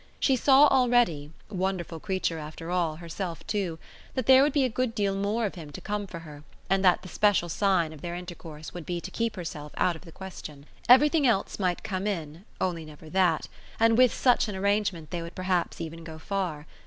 She saw already wonderful creature, after all, herself too that there would be a good deal more of him to come for her, and that the special sign of their intercourse would be to keep herself out of the question. Everything else might come in only never that; and with such an arrangement they would perhaps even go far.